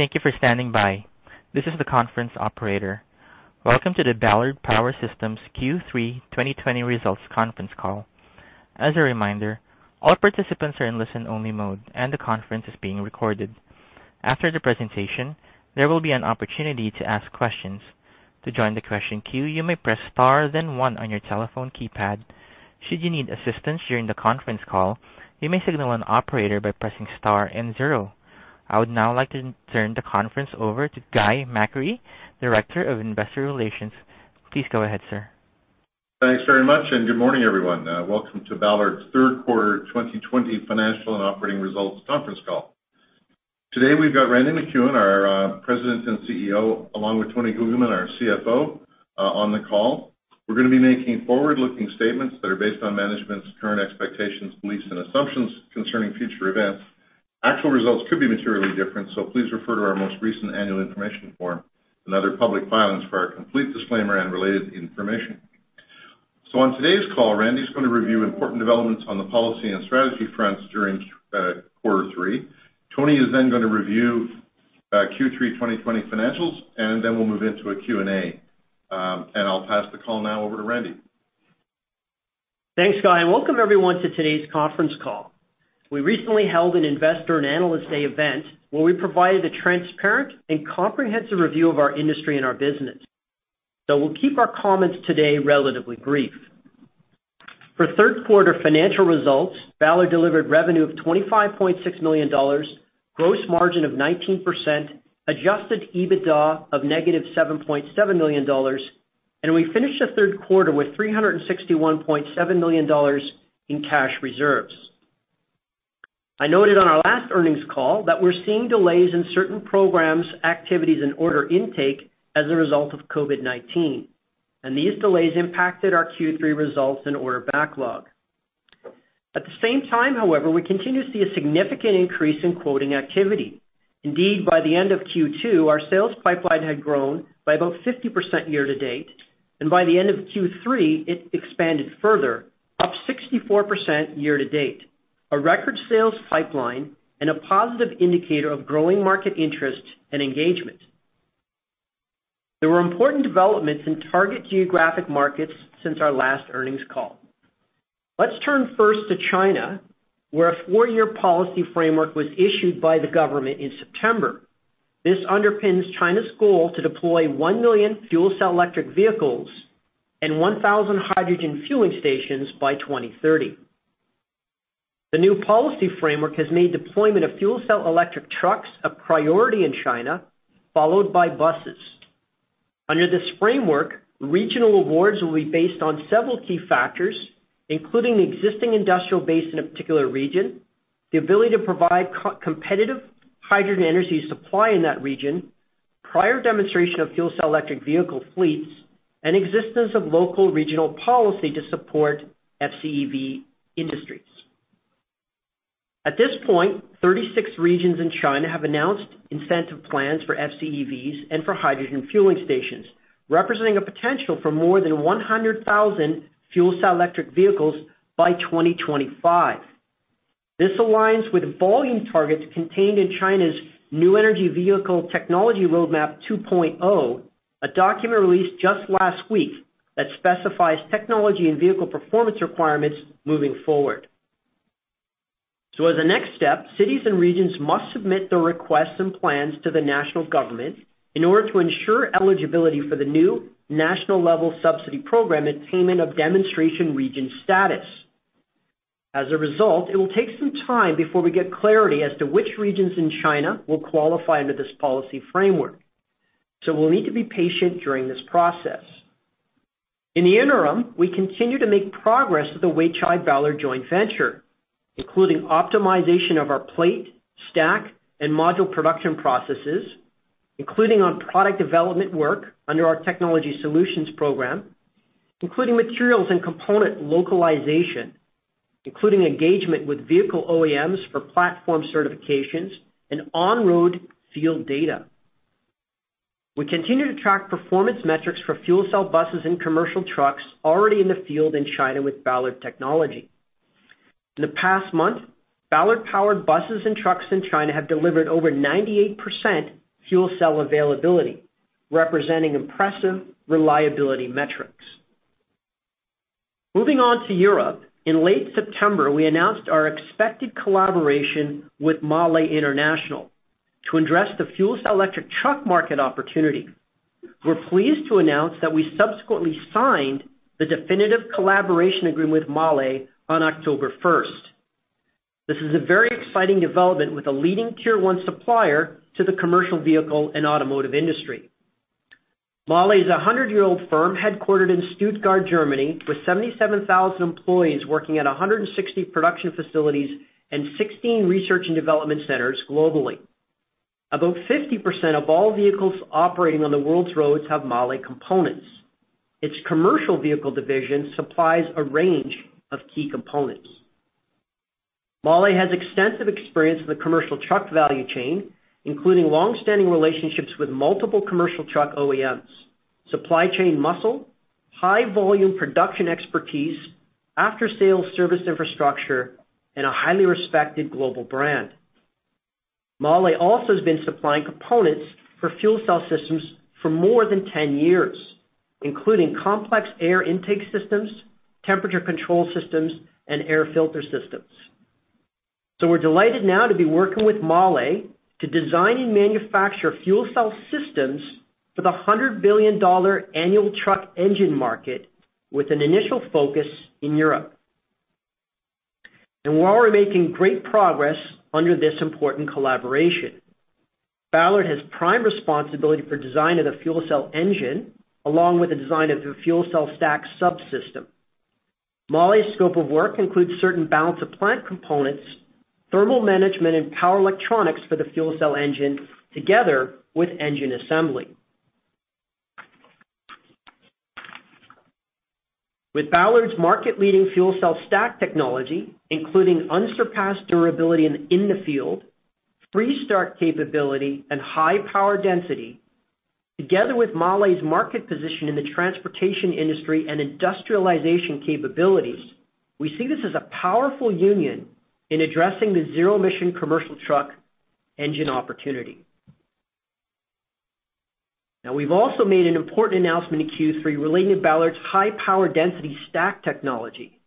Thank you for standing by. This is the conference operator. Welcome to the Ballard Power Systems Q3 2020 Results Conference Call. As a reminder, all participants are in listen-only mode, and the conference is being recorded. After the presentation, there will be an opportunity to ask questions. To join the question queue, you may press star then one on your telephone keypad. Should you need assistance during the conference call, you may signal an operator by pressing star and zero. I would now like to turn the conference over to Guy McAree, Director of Investor Relations. Please go ahead, sir. Thanks very much, good morning, everyone. Welcome to Ballard's Q3 2020 Financial and Operating Results conference call. Today, we've got Randy MacEwen, our President and CEO, along with Tony Guglielmin, our CFO, on the call. We're gonna be making forward-looking statements that are based on management's current expectations, beliefs, and assumptions concerning future events. Actual results could be materially different, please refer to our most recent annual information form and other public filings for our complete disclaimer and related information. On today's call, Randy is going to review important developments on the policy and strategy fronts during quarter three. Tony is gonna review Q3 2020 financials, we'll move into a Q&A. I'll pass the call now over to Randy. Thanks, Guy, and welcome everyone to today's conference call. We recently held an investor and analyst day event, where we provided a transparent and comprehensive review of our industry and our business, so we'll keep our comments today relatively brief. For Q3 financial results, Ballard delivered revenue of $25.6 million, gross margin of 19%, adjusted EBITDA of negative $7.7 million, and we finished the Q3 with $361.7 million in cash reserves. I noted on our last earnings call that we're seeing delays in certain programs, activities, and order intake as a result of COVID-19, and these delays impacted our Q3 results and order backlog. At the same time, however, we continue to see a significant increase in quoting activity. Indeed, by the end of Q2, our sales pipeline had grown by about 50% year to date, and by the end of Q3, it expanded further, up 64% year to date, a record sales pipeline and a positive indicator of growing market interest and engagement. There were important developments in target geographic markets since our last earnings call. Let's turn first to China, where a four-year policy framework was issued by the government in September. This underpins China's goal to deploy 1 million fuel cell electric vehicles and 1,000 hydrogen fueling stations by 2030. The new policy framework has made deployment of fuel cell electric trucks a priority in China, followed by buses. Under this framework, regional awards will be based on several key factors, including the existing industrial base in a particular region, the ability to provide co-competitive hydrogen energy supply in that region, prior demonstration of Fuel Cell Electric Vehicle fleets, and existence of local regional policy to support FCEV industries. At this point, 36 regions in China have announced incentive plans for FCEVs and for hydrogen fueling stations, representing a potential for more than 100,000 Fuel Cell Electric Vehicles by 2025. This aligns with volume targets contained in China's Energy-saving and New Energy Vehicle Technology Roadmap 2.0, a document released just last week that specifies technology and vehicle performance requirements moving forward. As a next step, cities and regions must submit their requests and plans to the national government in order to ensure eligibility for the new national-level subsidy program and attainment of demonstration region status. It will take some time before we get clarity as to which regions in China will qualify under this policy framework. We'll need to be patient during this process. In the interim, we continue to make progress with the Weichai Ballard joint venture, including optimization of our plate, stack, and module production processes, including on product development work under our technology solutions program, including materials and component localization, including engagement with vehicle OEMs for platform certifications and on-road field data. We continue to track performance metrics for fuel cell buses and commercial trucks already in the field in China with Ballard technology. In the past month, Ballard-powered buses and trucks in China have delivered over 98% fuel cell availability, representing impressive reliability metrics. Moving on to Europe. In late September, we announced our expected collaboration with MAHLE to address the fuel cell electric truck market opportunity. We're pleased to announce that we subsequently signed the definitive collaboration agreement with MAHLE on October 1st. This is a very exciting development with a leading Tier 1 supplier to the commercial vehicle and automotive industry. MAHLE is a 100-year-old firm, headquartered in Stuttgart, Germany, with 77,000 employees working at 160 production facilities and 16 research and development centers globally. About 50% of all vehicles operating on the world's roads have MAHLE components. Its commercial vehicle division supplies a range of key components. MAHLE has extensive experience in the commercial truck value chain, including long-standing relationships with multiple commercial truck OEMs, high volume production expertise, after sales service infrastructure, and a highly respected global brand. MAHLE also has been supplying components for fuel cell systems for more than 10 years, including complex air intake systems, temperature control systems, and air filter systems. We're delighted now to be working with MAHLE to design and manufacture fuel cell systems for the $100 billion annual truck engine market, with an initial focus in Europe. While we're making great progress under this important collaboration, Ballard has prime responsibility for design of the fuel cell engine, along with the design of the fuel cell stack subsystem. MAHLE's scope of work includes certain balance of plant components, thermal management, and power electronics for the fuel cell engine, together with engine assembly. With Ballard's market-leading fuel cell stack technology, including unsurpassed durability in the field, freeze-start capability, and high power density, together with MAHLE's market position in the transportation industry and industrialization capabilities, we see this as a powerful union in addressing the zero-emission commercial truck engine opportunity. We've also made an important announcement in Q3 relating to Ballard's high power density stack technology.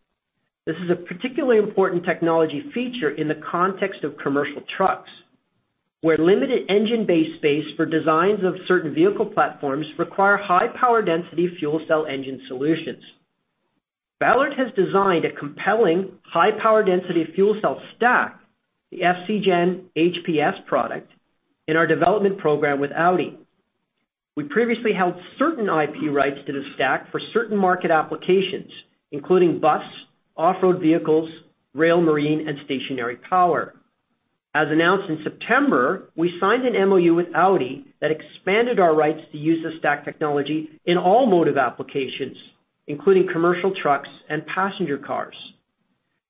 This is a particularly important technology feature in the context of commercial trucks, where limited engine bay space for designs of certain vehicle platforms require high power density fuel cell engine solutions. Ballard has designed a compelling high power density fuel cell stack, the FCgen-HPS product, in our development program with Audi. We previously held certain IP rights to the stack for certain market applications, including bus, off-road vehicles, rail, marine, and stationary power. As announced in September, we signed an MOU with Audi that expanded our rights to use the stack technology in all motive applications, including commercial trucks and passenger cars.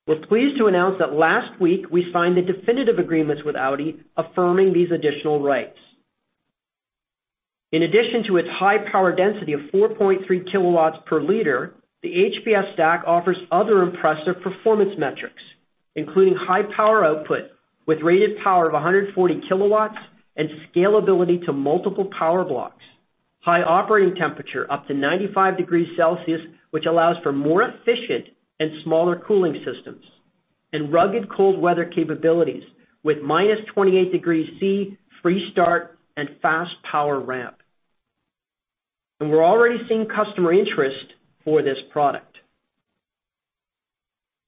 We're pleased to announce that last week we signed the definitive agreements with Audi, affirming these additional rights. In addition to its high power density of 4.3 kW per liter, the HPS stack offers other impressive performance metrics, including high power output with rated power of 140 kW and scalability to multiple power blocks, high operating temperature up to 95 degrees Celsius, which allows for more efficient and smaller cooling systems, rugged cold weather capabilities with -28 degrees Celsius freeze-start, and fast power ramp. We're already seeing customer interest for this product.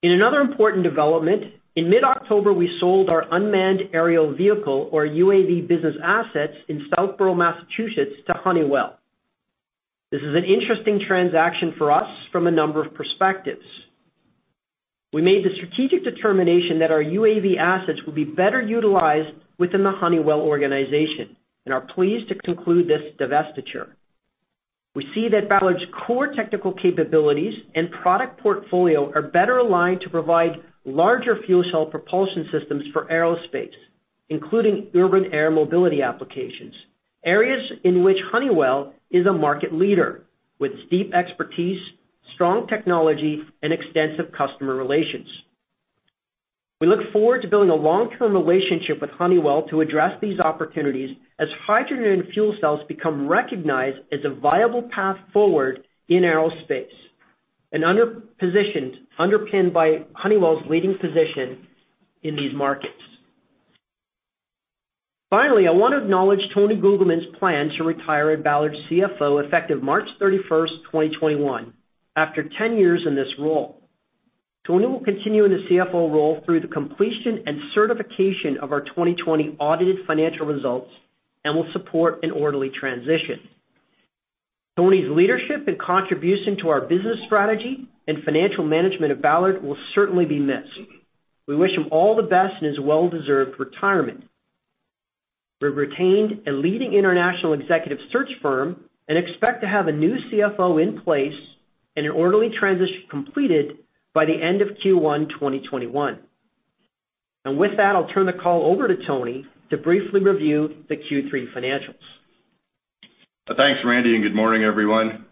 In another important development, in mid-October, we sold our unmanned aerial vehicle, or UAV, business assets in Southborough, Massachusetts, to Honeywell. This is an interesting transaction for us from a number of perspectives. We made the strategic determination that our UAV assets will be better utilized within the Honeywell organization and are pleased to conclude this divestiture. We see that Ballard's core technical capabilities and product portfolio are better aligned to provide larger fuel cell propulsion systems for aerospace, including Urban Air Mobility applications, areas in which Honeywell is a market leader, with deep expertise, strong technology, and extensive customer relations. We look forward to building a long-term relationship with Honeywell to address these opportunities as hydrogen and fuel cells become recognized as a viable path forward in aerospace, underpinned by Honeywell's leading position in these markets. Finally, I want to acknowledge Tony Guglielmin's plan to retire at Ballard's CFO, effective March 31st, 2021, after 10 years in this role. Tony will continue in the CFO role through the completion and certification of our 2020 audited financial results and will support an orderly transition. Tony's leadership and contribution to our business strategy and financial management of Ballard will certainly be missed. We wish him all the best in his well-deserved retirement. We've retained a leading international executive search firm and expect to have a new CFO in place and an orderly transition completed by the end of Q1 2021. With that, I'll turn the call over to Tony to briefly review the Q3 financials. Thanks, Randy. Good morning, everyone.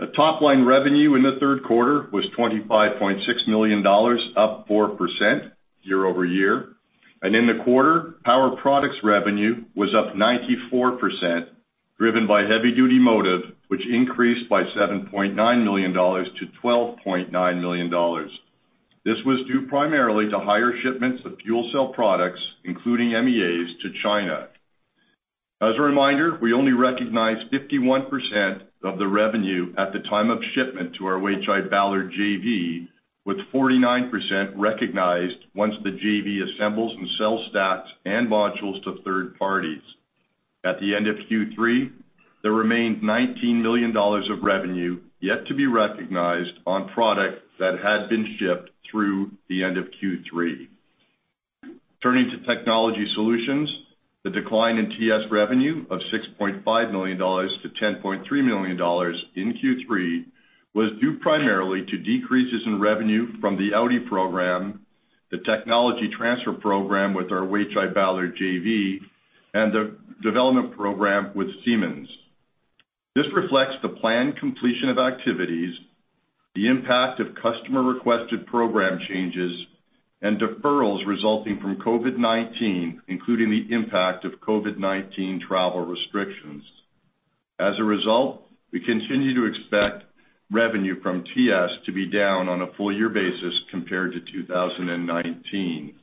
The top-line revenue in the Q3 was $25.6 million, up 4% year-over-year. In the quarter, power products revenue was up 94%, driven by heavy-duty motive, which increased by $7.9 to 12.9 million. This was due primarily to higher shipments of fuel cell products, including MEAs, to China. As a reminder, we only recognized 51% of the revenue at the time of shipment to our Weichai-Ballard JV, with 49% recognized once the JV assembles and sells stacks and modules to third parties. At the end of Q3, there remained $19 million of revenue yet to be recognized on product that had been shipped through the end of Q3. Turning to technology solutions, the decline in TS revenue of $6.5 to 10.3 million in Q3 was due primarily to decreases in revenue from the Audi program, the technology transfer program with our Weichai-Ballard JV, and the development program with Siemens. This reflects the planned completion of activities, the impact of customer-requested program changes, and deferrals resulting from COVID-19, including the impact of COVID-19 travel restrictions. As a result, we continue to expect revenue from TS to be down on a full-year basis compared to 2019.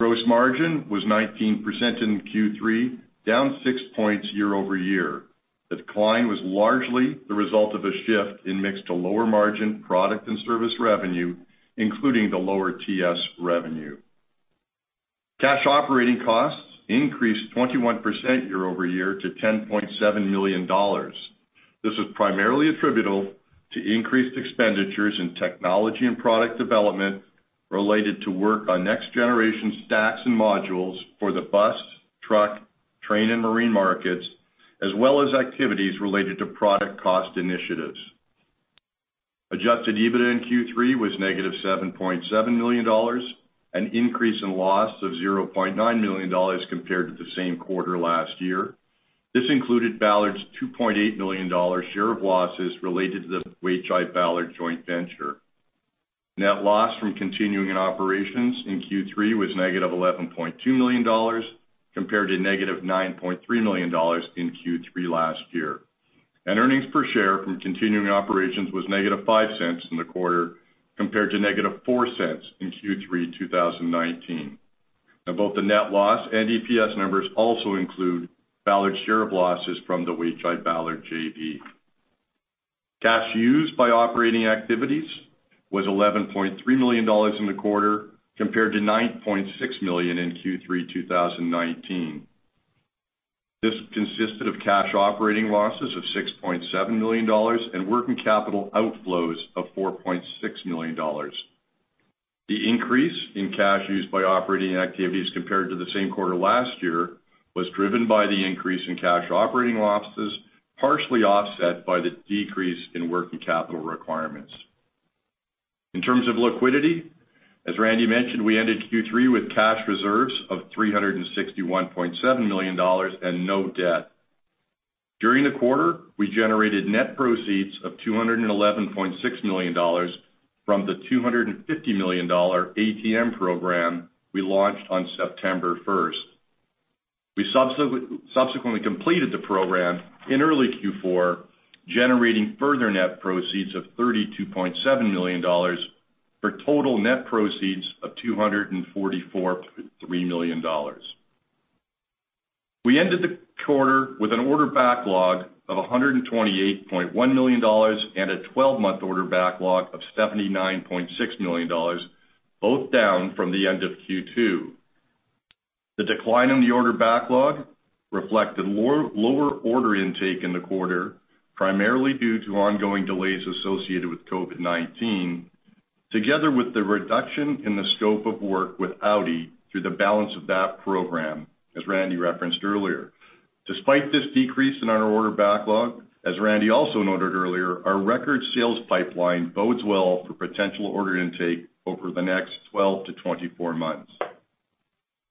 Gross margin was 19% in Q3, down 6 points year-over-year. The decline was largely the result of a shift in mix to lower margin product and service revenue, including the lower TS revenue. Cash operating costs increased 21% year-over-year to $10.7 million. This is primarily attributable to increased expenditures in technology and product development related to work on next generation stacks and modules for the bus, truck, train, and marine markets, as well as activities related to product cost initiatives. Adjusted EBITDA in Q3 was negative $7.7 million, an increase in loss of $0.9 million compared to the same quarter last year. This included Ballard's $2.8 million share of losses related to the Weichai-Ballard Joint Venture. Net loss from continuing in operations in Q3 was negative $11.2 million, compared to negative $9.3 million in Q3 last year. Earnings per share from continuing operations was negative $0.05 in the quarter, compared to negative $0.04 in Q3 2019. Both the net loss and EPS numbers also include Ballard's share of losses from the Weichai-Ballard JV. Cash used by operating activities was $11.3 million in the quarter, compared to $9.6 million in Q3 2019. This consisted of cash operating losses of $6.7 million and working capital outflows of $4.6 million. The increase in cash used by operating activities compared to the same quarter last year, was driven by the increase in cash operating losses, partially offset by the decrease in working capital requirements. In terms of liquidity, as Randy mentioned, we ended Q3 with cash reserves of $361.7 million and no debt. During the quarter, we generated net proceeds of $211.6 million from the $250 million ATM program we launched on September 1st. We subsequently completed the program in early Q4, generating further net proceeds of $32.7 million, for total net proceeds of $244.3 million. We ended the quarter with an order backlog of $128.1 million and a 12-month order backlog of $79.6 million, both down from the end of Q2. The decline in the order backlog reflected lower order intake in the quarter, primarily due to ongoing delays associated with COVID-19, together with the reduction in the scope of work with Audi through the balance of that program, as Randy referenced earlier. Despite this decrease in our order backlog, as Randy also noted earlier, our record sales pipeline bodes well for potential order intake over the next 12 to 24 months.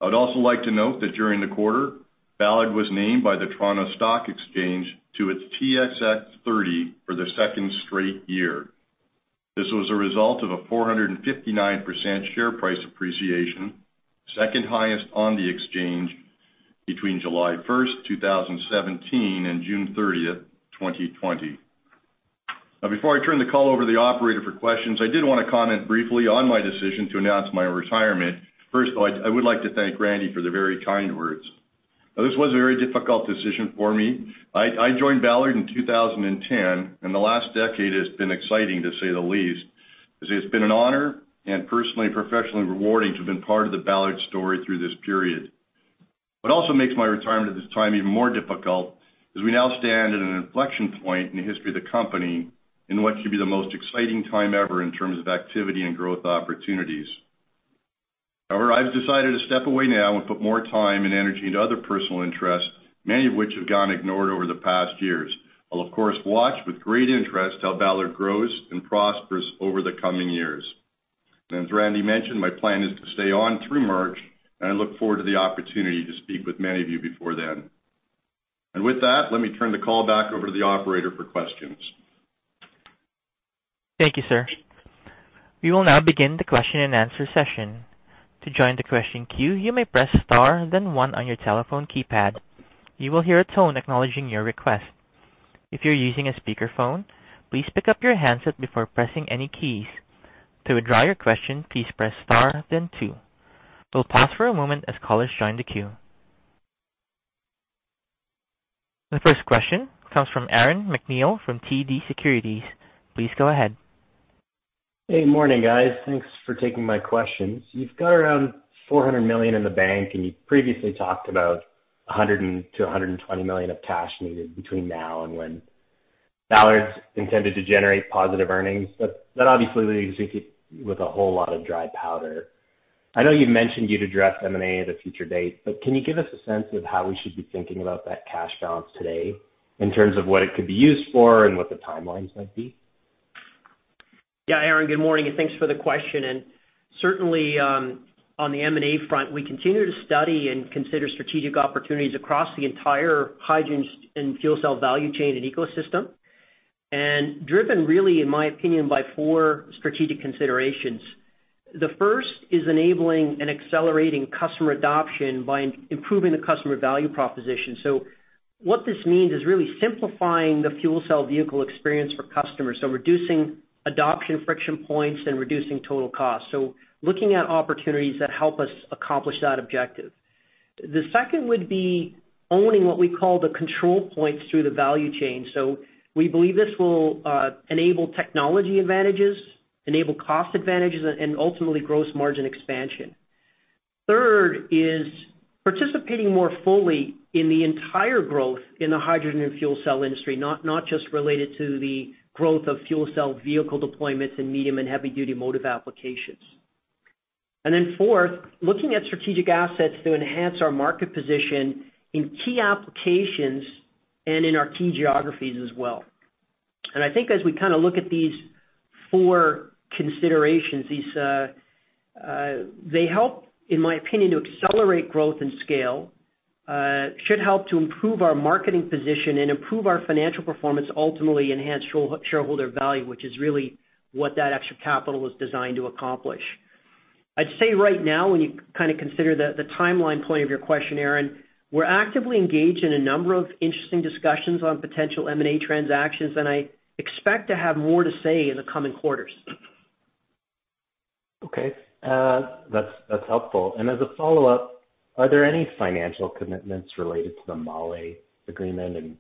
I'd also like to note that during the quarter, Ballard was named by the Toronto Stock Exchange to its TSX30 for the second straight year. This was a result of a 459% share price appreciation, second highest on the exchange between July 1, 2017, and June 30, 2020. Before I turn the call over to the operator for questions, I did want to comment briefly on my decision to announce my retirement. First of all, I would like to thank Randy for the very kind words. This was a very difficult decision for me. I joined Ballard in 2010, and the last decade has been exciting, to say the least. It's been an honor and personally, professionally rewarding to have been part of the Ballard story through this period. What also makes my retirement at this time even more difficult, is we now stand at an inflection point in the history of the company in what should be the most exciting time ever in terms of activity and growth opportunities. However, I've decided to step away now and put more time and energy into other personal interests, many of which have gone ignored over the past years. I'll, of course, watch with great interest how Ballard grows and prospers over the coming years. As Randy mentioned, my plan is to stay on through March, and I look forward to the opportunity to speak with many of you before then. With that, let me turn the call back over to the operator for questions. Thank you, sir. We will now begin the question and answer session. To join the question queue, you may press star, then 1 on your telephone keypad. You will hear a tone acknowledging your request. If you're using a speakerphone, please pick up your handset before pressing any keys. To withdraw your question, please press star, then 2. We'll pause for a moment as callers join the queue. The first question comes from Aaron MacNeil from TD Securities. Please go ahead. Hey, morning, guys. Thanks for taking my questions. You've got around $400 million in the bank, and you previously talked about $100 to 120 million of cash needed between now and when Ballard's intended to generate positive earnings. But that obviously leaves you with a whole lot of dry powder. I know you've mentioned you'd address M&A at a future date, but can you give us a sense of how we should be thinking about that cash balance today, in terms of what it could be used for and what the timelines might be? Yeah, Aaron, good morning, and thanks for the question. Certainly, on the M&A front, we continue to study and consider strategic opportunities across the entire hydrogen and fuel cell value chain and ecosystem, and driven really, in my opinion, by 4 strategic considerations. The first is enabling and accelerating customer adoption by improving the customer value proposition. What this means is really simplifying the fuel cell vehicle experience for customers, so reducing adoption friction points and reducing total cost. Looking at opportunities that help us accomplish that objective. The second would be owning what we call the control points through the value chain. We believe this will enable technology advantages, enable cost advantages, and ultimately, gross margin expansion. Third is participating more fully in the entire growth in the hydrogen and fuel cell industry, not just related to the growth of fuel cell vehicle deployments in medium and heavy-duty motive applications. Fourth, looking at strategic assets to enhance our market position in key applications and in our key geographies as well. I think as we kind of look at these four considerations, these, they help, in my opinion, to accelerate growth and scale, should help to improve our marketing position and improve our financial performance, ultimately enhance shareholder value, which is really what that extra capital was designed to accomplish. I'd say right now, when you kind of consider the timeline point of your question, Aaron, we're actively engaged in a number of interesting discussions on potential M&A transactions, and I expect to have more to say in the coming quarters. Okay, that's helpful. As a follow-up, are there any financial commitments related to the MAHLE agreement?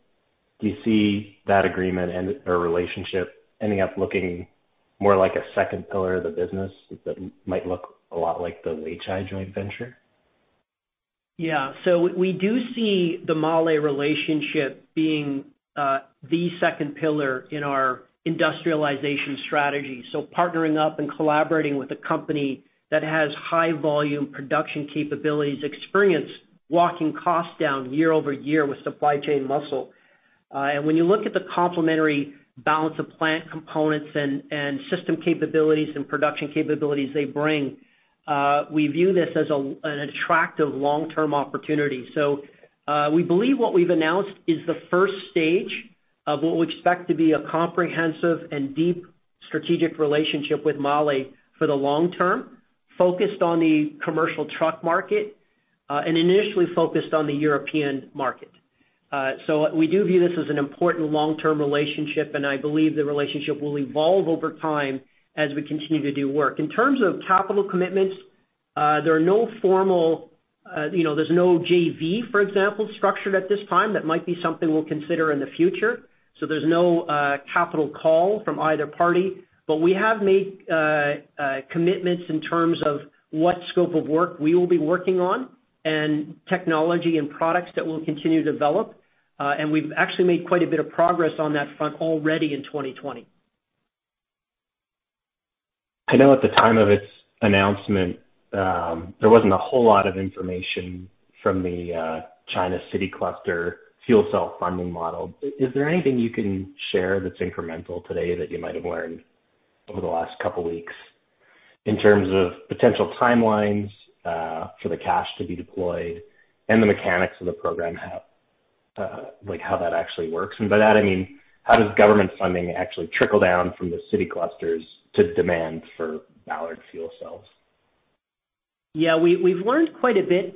Do you see that agreement end or relationship ending up looking more like a second pillar of the business that might look a lot like the Weichai joint venture? Yeah. We do see the MAHLE relationship being the second pillar in our industrialization strategy. Partnering up and collaborating with a company that has high volume production capabilities, experience locking costs down year-over-year with supply chain muscle. And when you look at the complementary balance of plant components and system capabilities and production capabilities they bring, we view this as an attractive long-term opportunity. We believe what we've announced is the first stage of what we expect to be a comprehensive and deep strategic relationship with MAHLE for the long term, focused on the commercial truck market, and initially focused on the European market. We do view this as an important long-term relationship, and I believe the relationship will evolve over time as we continue to do work. In terms of capital commitments, there are no formal, you know, there's no JV, for example, structured at this time. That might be something we'll consider in the future. There's no capital call from either party. We have made commitments in terms of what scope of work we will be working on and technology and products that we'll continue to develop, and we've actually made quite a bit of progress on that front already in 2020. I know at the time of its announcement, there wasn't a whole lot of information from the China City Cluster fuel cell funding model. Is there anything you can share that's incremental today that you might have learned over the last 2 weeks in terms of potential timelines for the cash to be deployed and the mechanics of the program, how, like, how that actually works? By that, I mean, how does government funding actually trickle down from the city clusters to demand for Ballard fuel cells? Yeah, we've learned quite a bit,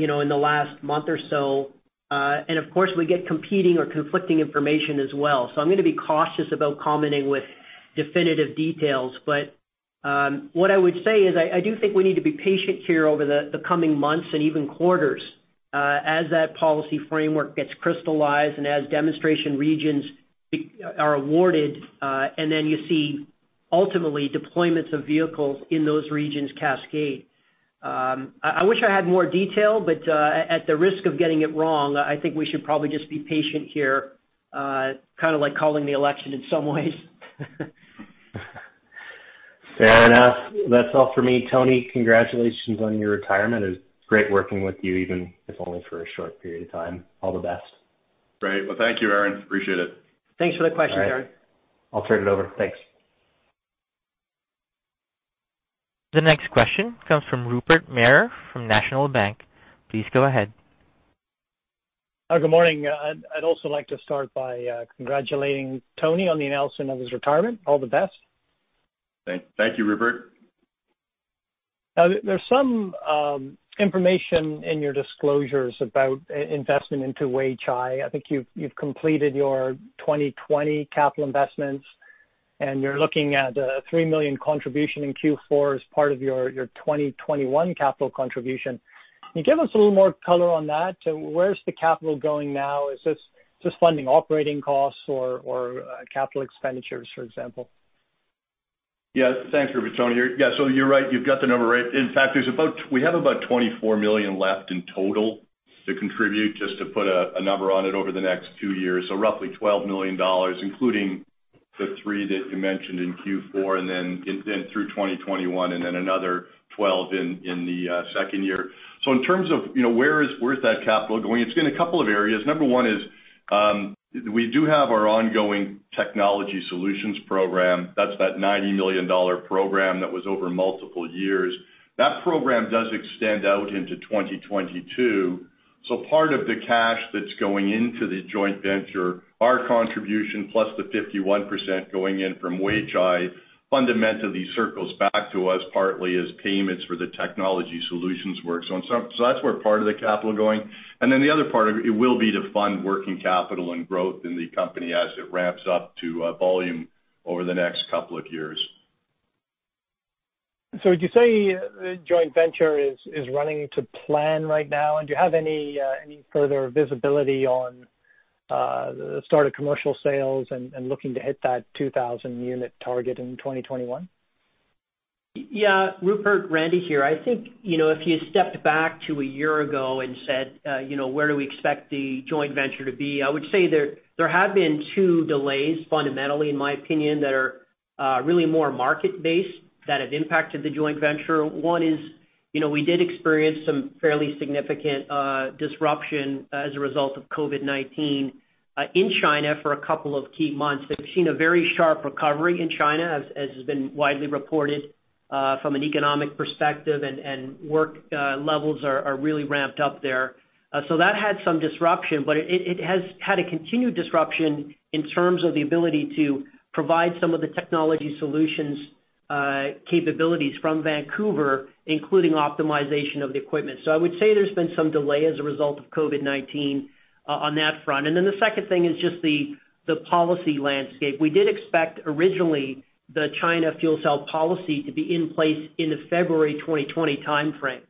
you know, in the last month or so, and of course, we get competing or conflicting information as well, so I'm gonna be cautious about commenting with definitive details. What I would say is I do think we need to be patient here over the coming months and even quarters, as that policy framework gets crystallized and as demonstration regions are awarded, and then you see ultimately deployments of vehicles in those regions cascade. I wish I had more detail, but, at the risk of getting it wrong, I think we should probably just be patient here, kind of like calling the election in some ways. Fair enough. That's all for me. Tony, congratulations on your retirement. It was great working with you, even if only for a short period of time. All the best. Great. Well, thank you, Aaron. Appreciate it. Thanks for the question, Aaron. All right. I'll turn it over. Thanks. The next question comes from Rupert Merer from National Bank. Please go ahead. Good morning. I'd also like to start by congratulating Tony on the announcement of his retirement. All the best. Thank you, Rupert. There's some information in your disclosures about investment into Weichai. I think you've completed your 2020 capital investments, and you're looking at a $3 million contribution in Q4 as part of your 2021 capital contribution. Can you give us a little more color on that? Where's the capital going now? Is this just funding operating costs or capital expenditures, for example? Thanks, Rupert. Tony here. You're right, you've got the number right. In fact, we have about $24 million left in total to contribute, just to put a number on it, over the next two years. Roughly $12 million, including the three that you mentioned in Q4, and then through 2021, another 12 in the second year. In terms of, you know, where's that capital going? It's in a couple of areas. Number one is, we do have our ongoing Technology Solutions program. That's that $90 million program that was over multiple years. That program does extend out into 2022. Part of the cash that's going into the joint venture, our contribution, plus the 51% going in from Weichai, fundamentally, circles back to us, partly as payments for the technology solutions work. That's where part of the capital going. The other part of it will be to fund working capital and growth in the company as it ramps up to volume over the next couple of years. Would you say the joint venture is running to plan right now? Do you have any further visibility on the start of commercial sales and looking to hit that 2,000 unit target in 2021? Yeah, Rupert, Randy here. I think, you know, if you stepped back to a year ago and said, you know, where do we expect the joint venture to be? I would say there have been two delays, fundamentally, in my opinion, that are really more market-based, that have impacted the joint venture. One is, you know, we did experience some fairly significant disruption as a result of COVID-19 in China for a couple of key months. They've seen a very sharp recovery in China, as has been widely reported, from an economic perspective, and work levels are really ramped up there. That had some disruption, but it has had a continued disruption in terms of the ability to provide some of the technology solutions, capabilities from Vancouver, including optimization of the equipment. I would say there's been some delay as a result of COVID-19 on that front. The second thing is just the policy landscape. We did expect originally the China fuel cell policy to be in place in the February 2020 timeframe.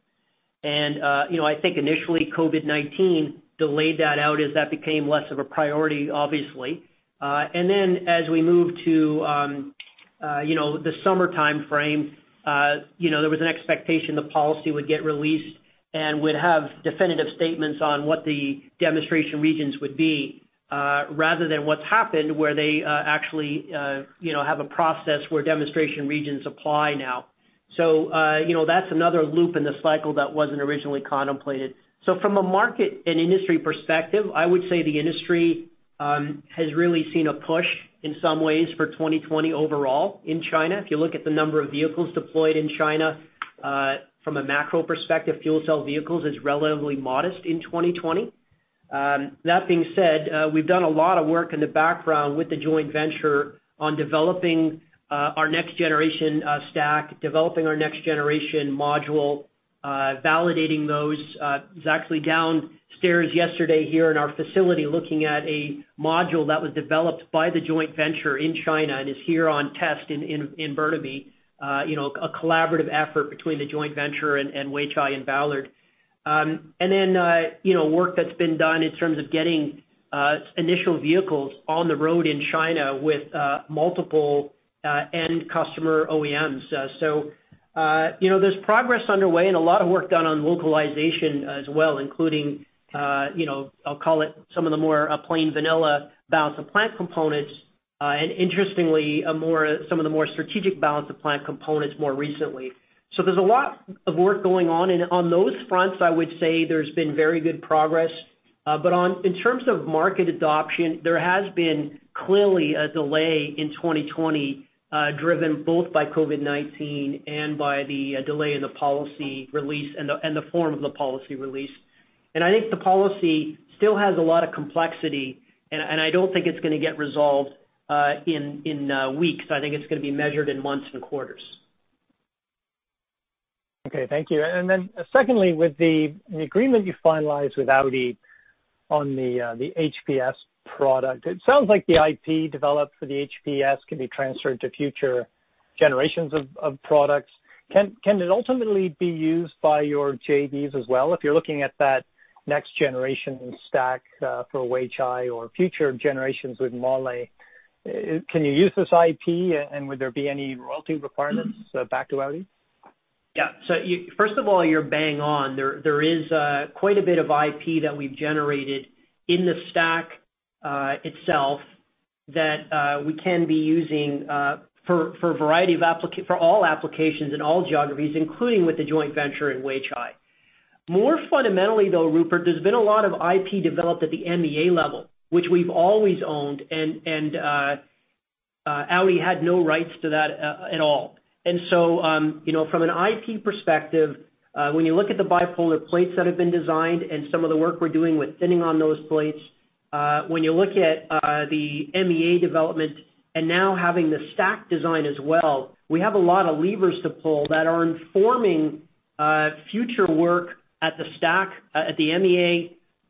You know, I think initially COVID-19 delayed that out as that became less of a priority, obviously. Then as we moved to, you know, the summer timeframe, you know, there was an expectation the policy would get released and would have definitive statements on what the demonstration regions would be, rather than what's happened, where they actually, you know, have a process where demonstration regions apply now. You know, that's another loop in the cycle that wasn't originally contemplated. From a market and industry perspective, I would say the industry has really seen a push in some ways for 2020 overall in China. If you look at the number of vehicles deployed in China, from a macro perspective, fuel cell vehicles is relatively modest in 2020. That being said, we've done a lot of work in the background with the joint venture on developing our next generation stack, developing our next generation module, validating those. I was actually downstairs yesterday here in our facility, looking at a module that was developed by the joint venture in China and is here on test in Burnaby, you know, a collaborative effort between the joint venture and Weichai and Ballard. You know, work that's been done in terms of getting initial vehicles on the road in China with multiple end customer OEMs. You know, there's progress underway and a lot of work done on localization as well, including, you know, I'll call it some of the more plain vanilla balance of plant components, and interestingly, some of the more strategic balance of plant components more recently. There's a lot of work going on, and on those fronts, I would say there's been very good progress. In terms of market adoption, there has been clearly a delay in 2020, driven both by COVID-19 and by the delay in the policy release and the form of the policy release. I think the policy still has a lot of complexity, and I don't think it's gonna get resolved, in weeks. I think it's gonna be measured in months and quarters. Okay, thank you. Secondly, with the agreement you finalized with Audi on the HPS product, it sounds like the IP developed for the HPS can be transferred to future generations of products. Can it ultimately be used by your JVs as well? If you're looking at that next generation stack for Weichai or future generations with MAHLE, can you use this IP, and would there be any royalty requirements back to Audi? Yeah. First of all, you're bang on. There is quite a bit of IP that we've generated in the stack itself that we can be using for a variety of for all applications in all geographies, including with the joint venture in Weichai. More fundamentally, though, Rupert, there's been a lot of IP developed at the MEA level, which we've always owned, and Audi had no rights to that at all. You know, from an IP perspective, when you look at the bipolar plates that have been designed and some of the work we're doing with thinning on those plates, when you look at the MEA development and now having the stack design as well, we have a lot of levers to pull that are informing future work at the stack,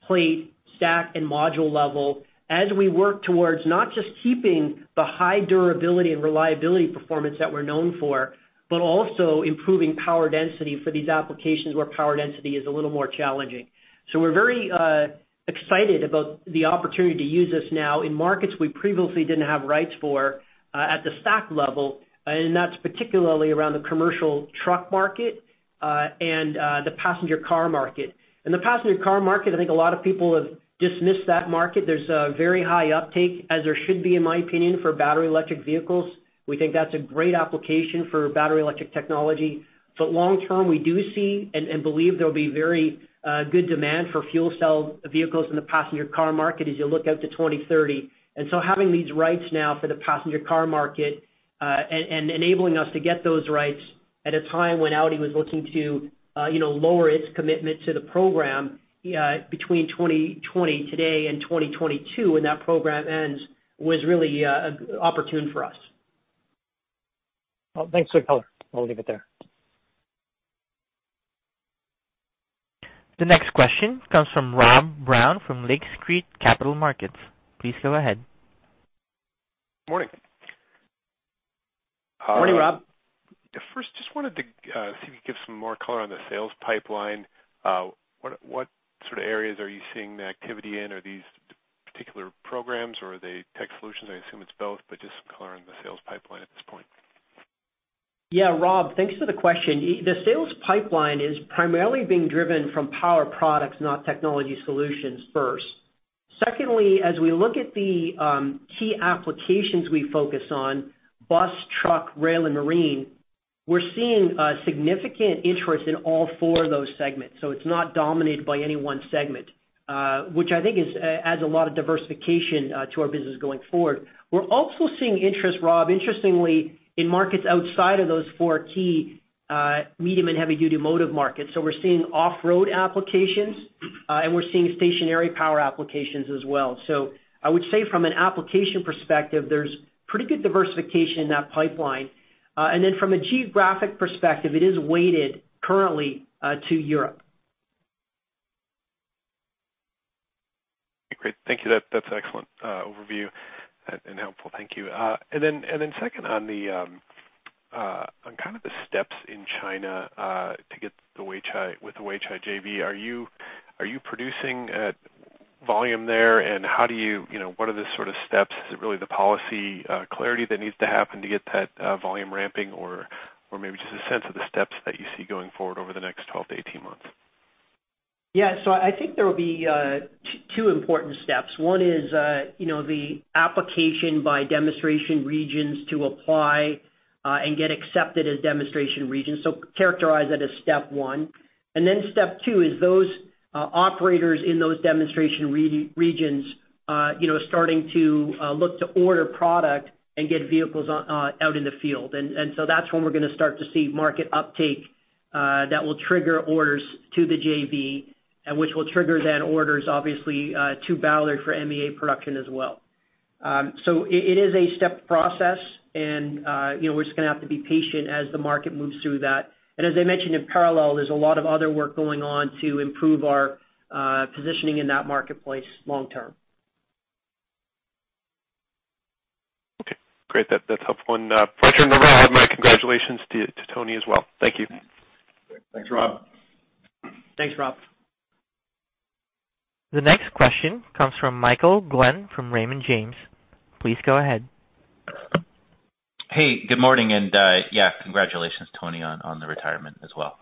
plate, stack, and module level as we work towards not just keeping the high durability and reliability performance that we're known for, but also improving power density for these applications where power density is a little more challenging. We're very excited about the opportunity to use this now in markets we previously didn't have rights for, at the stack level, and that's particularly around the commercial truck market, and the passenger car market. In the passenger car market, I think a lot of people have dismissed that market. There's a very high uptake, as there should be, in my opinion, for battery electric vehicles. We think that's a great application for battery electric technology. Long term, we do see and believe there will be very good demand for fuel cell vehicles in the passenger car market as you look out to 2030. Having these rights now for the passenger car market, and enabling us to get those rights at a time when Audi was looking to, you know, lower its commitment to the program, between 2020 today and 2022, when that program ends, was really opportune for us. Well, thanks for the color. I'll leave it there. The next question comes from Rob Brown from Lake Street Capital Markets. Please go ahead. Good morning. Morning, Rob. Just wanted to see if you could give some more color on the sales pipeline. What sort of areas are you seeing the activity in? Are these particular programs or are they tech solutions? I assume it's both, but just color on the sales pipeline at this point. Yeah, Rob, thanks for the question. The sales pipeline is primarily being driven from power products, not technology solutions first. As we look at the key applications we focus on: bus, truck, rail, and marine, we're seeing a significant interest in all four of those segments, so it's not dominated by any one segment, which I think adds a lot of diversification to our business going forward. We're also seeing interest, Rob, interestingly, in markets outside of those four key medium- and heavy-duty motive markets. We're seeing off-road applications and we're seeing stationary power applications as well. I would say from an application perspective, there's pretty good diversification in that pipeline. From a geographic perspective, it is weighted currently to Europe. Great. Thank you. That's an excellent overview and helpful. Thank you. Second on the kind of the steps in China to get the Weichai, with the Weichai JV, are you producing at volume there? You know, what are the sort of steps? Is it really the policy clarity that needs to happen to get that volume ramping? Or maybe just a sense of the steps that you see going forward over the next 12 to 18 months. Yeah, I think there will be two important steps. One is, you know, the application by demonstration regions to apply and get accepted as demonstration regions, so characterize that as step one. Then step two is those operators in those demonstration regions, you know, starting to look to order product and get vehicles out in the field. That's when we're gonna start to see market uptake that will trigger orders to the JV and which will trigger then orders, obviously, to Ballard for MEA production as well. It is a step process and, you know, we're just gonna have to be patient as the market moves through that. As I mentioned, in parallel, there's a lot of other work going on to improve our positioning in that marketplace long term. Okay, great. That's helpful. Pleasure. I'll have my congratulations to Tony as well. Thank you. Thanks, Rob. Thanks, Rob. The next question comes from Michael Glen, from Raymond James. Please go ahead. Good morning, congratulations, Tony, on the retirement as well.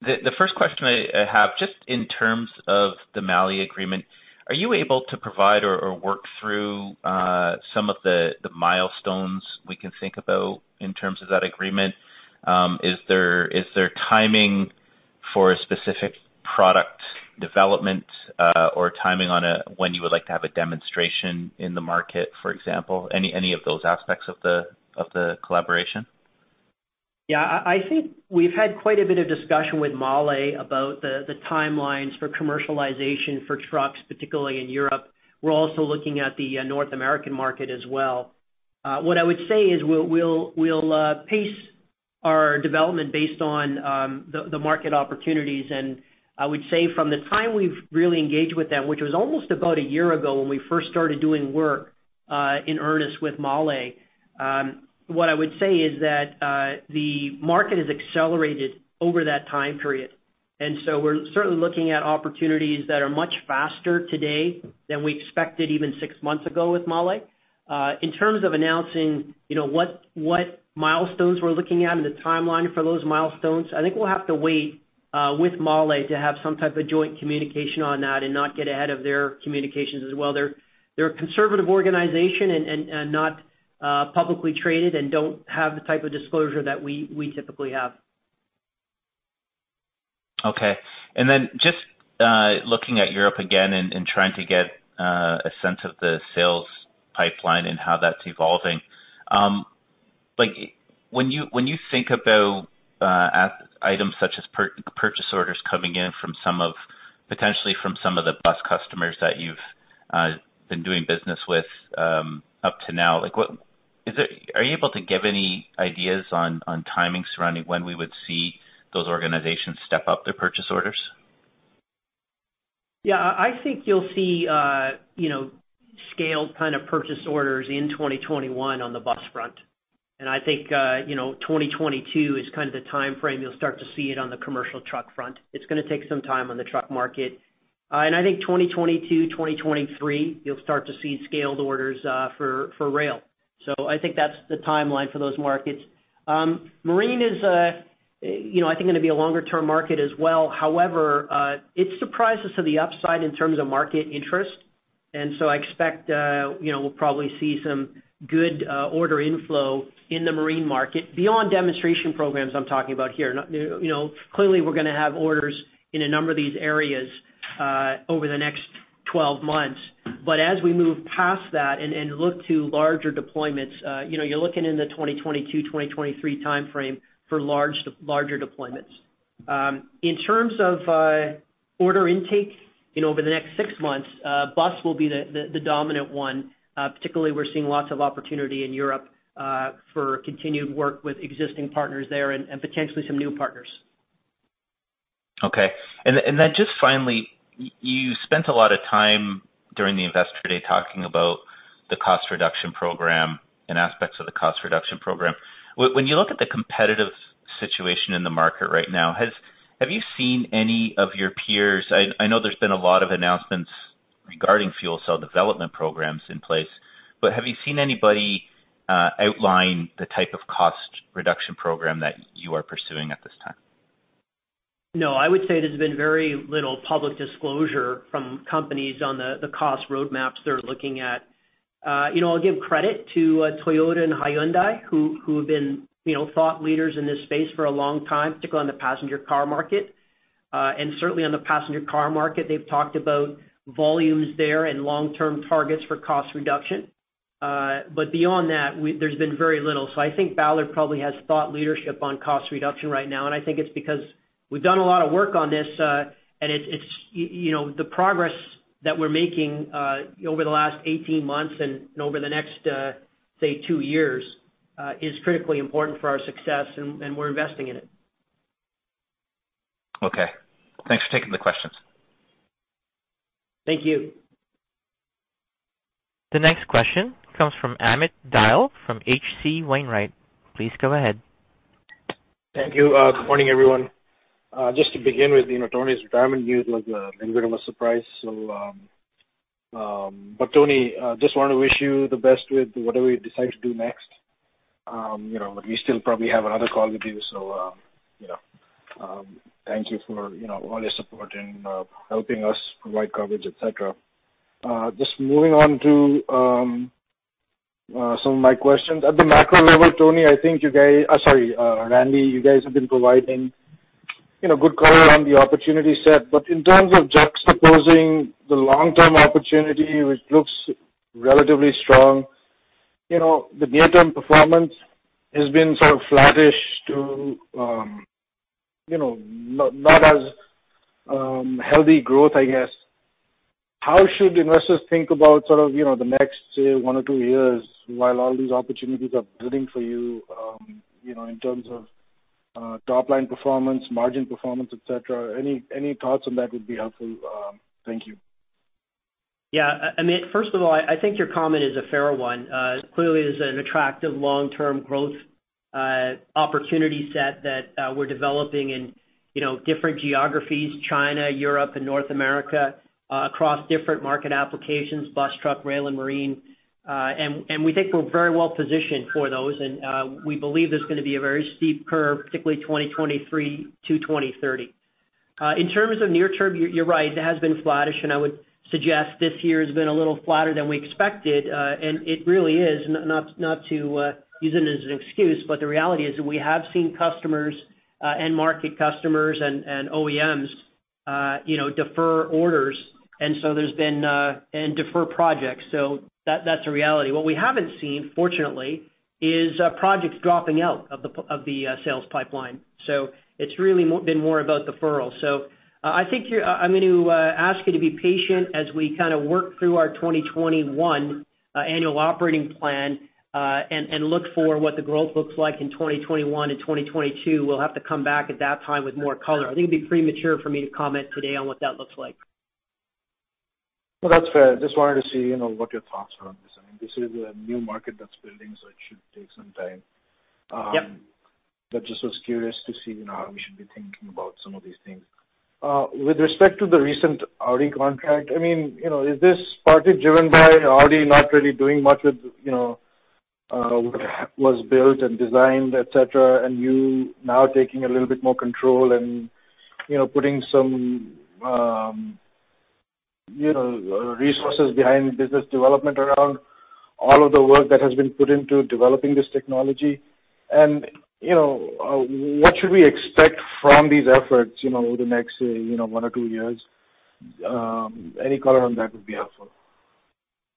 The first question I have, just in terms of the MAHLE agreement, are you able to provide or work through some of the milestones we can think about in terms of that agreement? Is there timing for a specific product development or timing on when you would like to have a demonstration in the market, for example, any of those aspects of the collaboration? Yeah, I think we've had quite a bit of discussion with MAHLE about the timelines for commercialization for trucks, particularly in Europe. We're also looking at the North American market as well. What I would say is we'll pace our development based on the market opportunities. I would say from the time we've really engaged with them, which was almost about a year ago when we first started doing work in earnest with MAHLE, what I would say is that the market has accelerated over that time period, and so we're certainly looking at opportunities that are much faster today than we expected even six months ago with MAHLE. In terms of announcing, you know, what milestones we're looking at and the timeline for those milestones, I think we'll have to wait with MAHLE to have some type of joint communication on that and not get ahead of their communications as well. They're a conservative organization and not publicly traded and don't have the type of disclosure that we typically have. Just looking at Europe again and trying to get a sense of the sales pipeline and how that's evolving. Like, when you think about items such as purchase orders coming in potentially from some of the bus customers that you've been doing business with up to now, like, are you able to give any ideas on timing surrounding when we would see those organizations step up their purchase orders? Yeah, I think you'll see, you know, scaled kind of purchase orders in 2021 on the bus front. I think, you know, 2022 is kind of the time frame you'll start to see it on the commercial truck front. It's gonna take some time on the truck market. I think 2022, 2023, you'll start to see scaled orders for rail. I think that's the timeline for those markets. Marine is, you know, I think gonna be a longer term market as well. It surprises to the upside in terms of market interest, and so I expect, you know, we'll probably see some good order inflow in the marine market. Beyond demonstration programs, I'm talking about here. Not, you know, clearly, we're going to have orders in a number of these areas, over the next 12 months. As we move past that and look to larger deployments, you know, you're looking in the 2022, 2023 time frame for larger deployments. In terms of order intake, you know, over the next 6 months, bus will be the dominant one. Particularly, we're seeing lots of opportunity in Europe, for continued work with existing partners there and potentially some new partners. Okay. Then, just finally, you spent a lot of time during the Investor Day talking about the cost reduction program and aspects of the cost reduction program. When you look at the competitive situation in the market right now, have you seen any of your peers... I know there's been a lot of announcements regarding fuel cell development programs in place, have you seen anybody outline the type of cost reduction program that you are pursuing at this time? I would say there's been very little public disclosure from companies on the cost roadmaps they're looking at. You know, I'll give credit to Toyota and Hyundai, who have been, you know, thought leaders in this space for a long time, particularly on the passenger car market. Certainly on the passenger car market, they've talked about volumes there and long-term targets for cost reduction. Beyond that, there's been very little. I think Ballard probably has thought leadership on cost reduction right now, and I think it's because we've done a lot of work on this, and it's, you know, the progress that we're making over the last 18 months and over the next, say, 2 years, is critically important for our success, and we're investing in it. Okay. Thanks for taking the questions. Thank you. The next question comes from Amit Dayal from H.C. Wainwright & Co. Please go ahead. Thank you. Good morning, everyone. Just to begin with, you know, Tony's retirement news was a little bit of a surprise. Tony, I just want to wish you the best with whatever you decide to do next. You know, we still probably have another call with you, so, you know, thank you for, you know, all your support in helping us provide coverage, et cetera. Just moving on to some of my questions. At the macro level, Tony, I think Randy, you guys have been providing, you know, good color on the opportunity set. In terms of juxtaposing the long-term opportunity, which looks relatively strong, you know, the near-term performance has been sort of flattish to, you know, not as healthy growth, I guess. How should investors think about sort of, you know, the next, say, 1 or 2 years, while all these opportunities are building for you know, in terms of, top line performance, margin performance, et cetera? Any thoughts on that would be helpful. Thank you. Yeah, Amit, first of all, I think your comment is a fair one. Clearly, there's an attractive long-term growth opportunity set that we're developing in, you know, different geographies, China, Europe, and North America, across different market applications, bus, truck, rail, and marine. We think we're very well positioned for those, and we believe there's gonna be a very steep curve, particularly 2023 to 2030. In terms of near term, you're right, it has been flattish, and I would suggest this year has been a little flatter than we expected. It really is not to use it as an excuse, but the reality is that we have seen customers, end market customers and OEMs, you know, defer orders, and so there's been and defer projects. That's a reality. What we haven't seen, fortunately, is projects dropping out of the of the sales pipeline, so it's really been more about deferral. I'm going to ask you to be patient as we kind of work through our 2021 annual operating plan, and look for what the growth looks like in 2021 and 2022. We'll have to come back at that time with more color. I think it'd be premature for me to comment today on what that looks like. Well, that's fair. Just wanted to see, you know, what your thoughts are on this. I mean, this is a new market that's building, it should take some time. Yep. Just was curious to see, you know, how we should be thinking about some of these things. With respect to the recent Audi contract, I mean, you know, is this partly driven by Audi not really doing much with, you know, what was built and designed, et cetera, and you now taking a little bit more control and, you know, putting some, you know, resources behind business development around all of the work that has been put into developing this technology? You know, what should we expect from these efforts, you know, over the next, you know, one or two years? Any color on that would be helpful.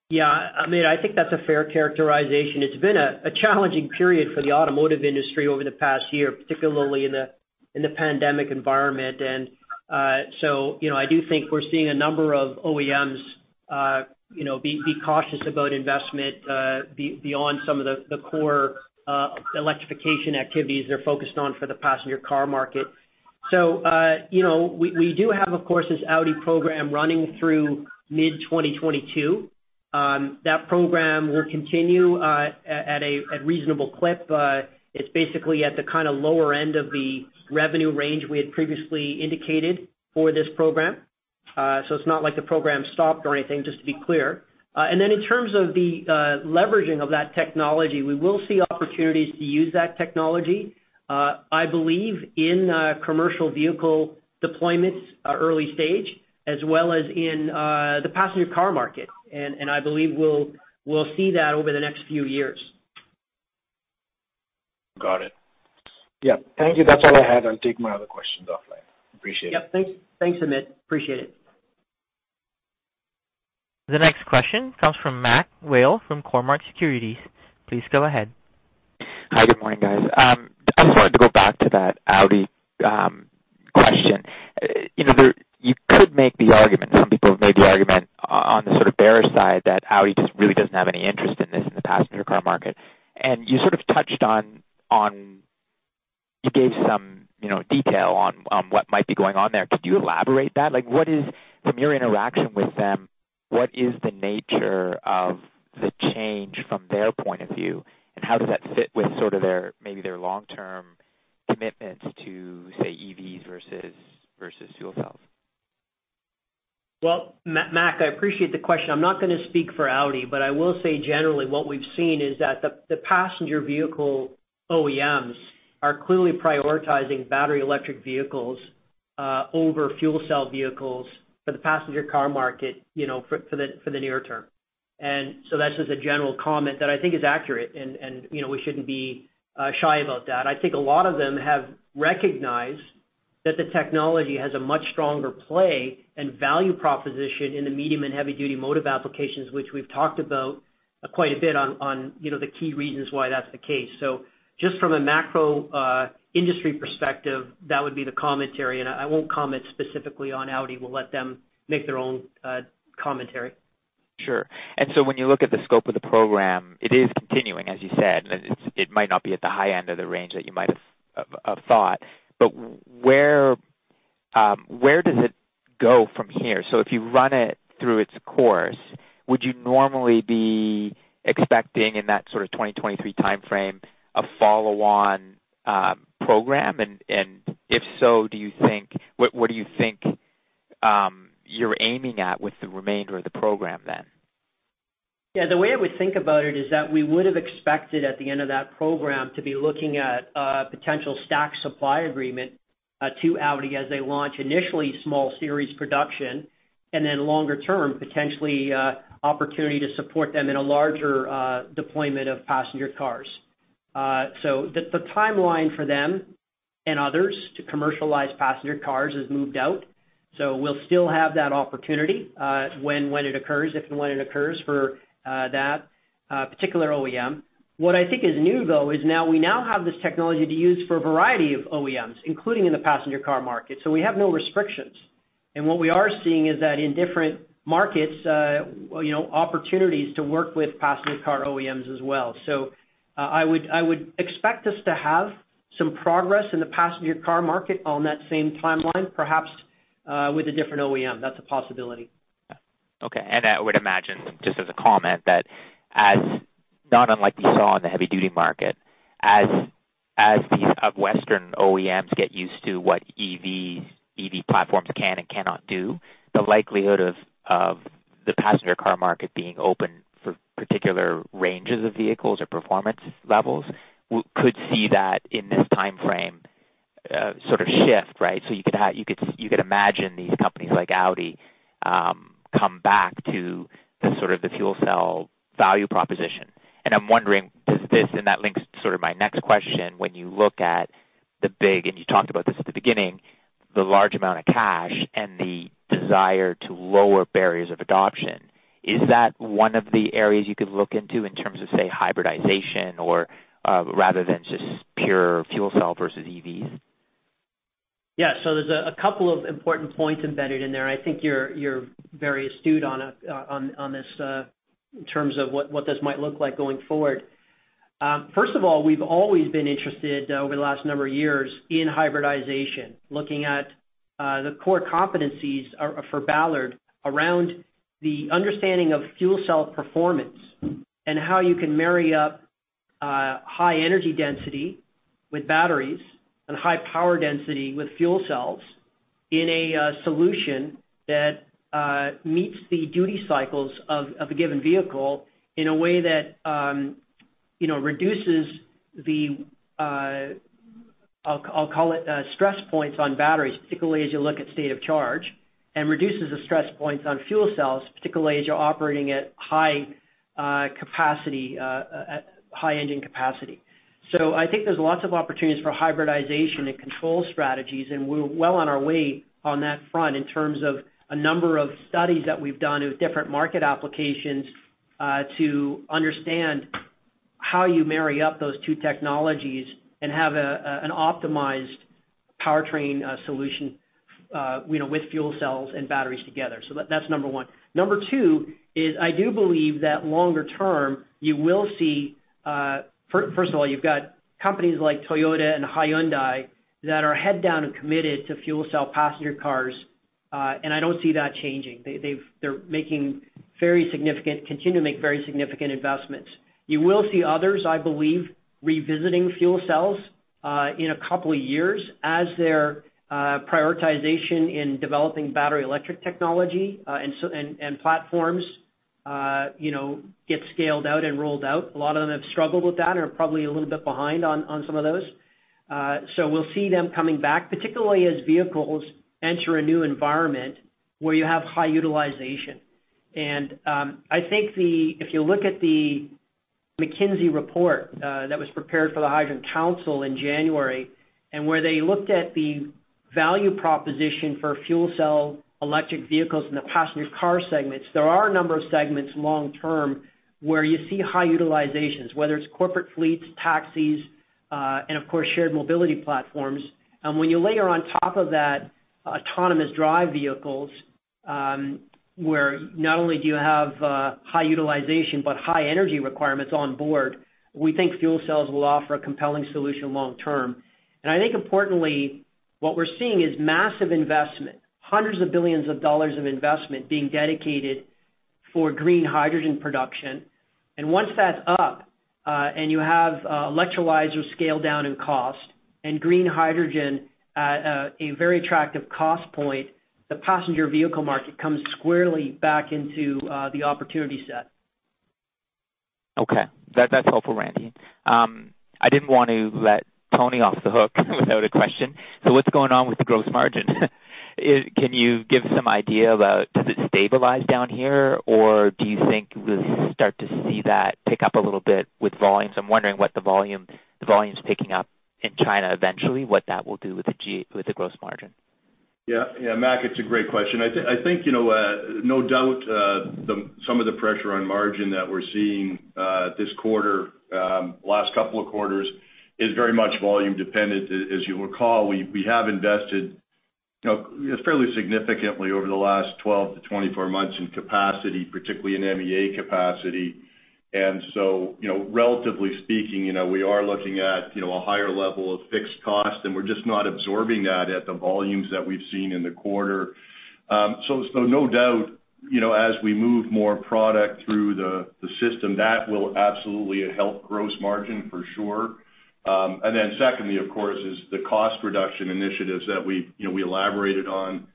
Yeah, Amit, I think that's a fair characterization. It's been a challenging period for the automotive industry over the past year, particularly in the pandemic environment. So, you know, I do think we're seeing a number of OEMs, you know, be cautious about investment beyond some of the core electrification activities they're focused on for the passenger car market. You know, we do have, of course, this Audi program running through mid 2022. That program will continue at a reasonable clip. It's basically at the kind of lower end of the revenue range we had previously indicated for this program. It's not like the program stopped or anything, just to be clear. In terms of the leveraging of that technology, we will see opportunities to use that technology, I believe in commercial vehicle deployments, early stage, as well as in the passenger car market. I believe we'll see that over the next few years. Got it. Yeah. Thank you. That's all I had. I'll take my other questions offline. Appreciate it. Yep. Thanks. Thanks, Amit. Appreciate it. The next question comes from Mac Whale from Cormark Securities. Please go ahead. Hi, good morning, guys. I just wanted to go back to that Audi question. You know, you could make the argument, some people have made the argument on the sort of bearish side, that Audi just really doesn't have any interest in this, in the passenger car market. You sort of touched on, you gave some, you know, detail on what might be going on there. Could you elaborate that? Like, what is, from your interaction with them, what is the nature of the change from their point of view, and how does that fit with sort of their, maybe their long-term commitments to, say, EVs versus fuel cells? Well, Mac, I appreciate the question. I'm not gonna speak for Audi, but I will say generally what we've seen is that the passenger vehicle OEMs are clearly prioritizing battery electric vehicles over fuel cell vehicles for the passenger car market, you know, for the near term. That's just a general comment that I think is accurate, and, you know, we shouldn't be shy about that. I think a lot of them have recognized that the technology has a much stronger play and value proposition in the medium and heavy-duty motive applications, which we've talked about quite a bit on, you know, the key reasons why that's the case. Just from a macro industry perspective, that would be the commentary. I won't comment specifically on Audi. We'll let them make their own commentary. Sure. When you look at the scope of the program, it is continuing, as you said, it might not be at the high end of the range that you might have thought, but where does it go from here? If you run it through its course, would you normally be expecting in that sort of 2023 timeframe, a follow-on program? If so, what do you think you're aiming at with the remainder of the program then? Yeah, the way I would think about it is that we would have expected, at the end of that program, to be looking at a potential stack supply agreement, to Audi as they launch initially small series production, and then longer term, potentially, opportunity to support them in a larger deployment of passenger cars. The timeline for them and others to commercialize passenger cars has moved out, so we'll still have that opportunity, when it occurs, if and when it occurs for that particular OEM. What I think is new, though, is now we now have this technology to use for a variety of OEMs, including in the passenger car market, so we have no restrictions. What we are seeing is that in different markets, you know, opportunities to work with passenger car OEMs as well. I would expect us to have some progress in the passenger car market on that same timeline, perhaps, with a different OEM. That's a possibility. Okay. I would imagine, just as a comment, that as, not unlike we saw in the heavy-duty market, as these Western OEMs get used to what EVs, EV platforms can and cannot do, the likelihood of the passenger car market being open for particular ranges of vehicles or performance levels, could see that in this timeframe, sort of shift, right? You could imagine these companies like Audi come back to the sort of the fuel cell value proposition. I'm wondering, does this, and that links to sort of my next question, when you look at the big, and you talked about this at the beginning, the large amount of cash and the desire to lower barriers of adoption, is that one of the areas you could look into in terms of, say, hybridization or rather than just pure fuel cell versus EVs? Yeah, there's a couple of important points embedded in there. I think you're very astute on this in terms of what this might look like going forward. First of all, we've always been interested over the last number of years in hybridization, looking at the core competencies for Ballard around the understanding of fuel cell performance, and how you can marry up high energy density with batteries and high power density with fuel cells in a solution that meets the duty cycles of a given vehicle in a way that, you know, reduces the I'll call it stress points on batteries, particularly as you look at state of charge, and reduces the stress points on fuel cells, particularly as you're operating at high capacity, high engine capacity. I think there's lots of opportunities for hybridization and control strategies, and we're well on our way on that front in terms of a number of studies that we've done with different market applications, to understand how you marry up those two technologies and have an optimized powertrain solution, you know, with fuel cells and batteries together. That's number 1. Number 2 is I do believe that longer term, you will see, first of all, you've got companies like Toyota and Hyundai that are head down and committed to fuel cell passenger cars, and I don't see that changing. They're making very significant, continue to make very significant investments. You will see others, I believe, revisiting fuel cells in a couple of years as their prioritization in developing battery electric technology and platforms, you know, get scaled out and rolled out. A lot of them have struggled with that or are probably a little bit behind on some of those. We'll see them coming back, particularly as vehicles enter a new environment where you have high utilization. I think if you look at the McKinsey report that was prepared for the Hydrogen Council in January, where they looked at the value proposition for fuel cell electric vehicles in the passenger car segments, there are a number of segments long term, where you see high utilizations, whether it's corporate fleets, taxis, and of course, shared mobility platforms. When you layer on top of that, autonomous drive vehicles, where not only do you have high utilization, but high energy requirements on board, we think fuel cells will offer a compelling solution long term. I think importantly, what we're seeing is massive investment, hundreds of billions of dollars of investment being dedicated for green hydrogen production. Once that's up, and you have electrolyzers scaled down in cost and green hydrogen at a very attractive cost point, the passenger vehicle market comes squarely back into the opportunity set. Okay. That's helpful, Randy MacEwen. I didn't want to let Tony Guglielmin off the hook without a question. What's going on with the gross margin? Can you give some idea about, does it stabilize down here, or do you think we'll start to see that pick up a little bit with volumes? I'm wondering what the volumes picking up in China eventually, what that will do with the gross margin. Yeah, yeah, Mac, it's a great question. I think, you know, no doubt, the, some of the pressure on margin that we're seeing, this quarter, last couple of quarters, is very much volume dependent. As you'll recall, we have invested, you know, fairly significantly over the last 12 to 24 months in capacity, particularly in MEA capacity. You know, relatively speaking, you know, we are looking at, you know, a higher level of fixed cost, and we're just not absorbing that at the volumes that we've seen in the quarter. So, no doubt, you know, as we move more product through the system, that will absolutely help gross margin for sure. Secondly, of course, is the cost reduction initiatives that we, you know, we elaborated on,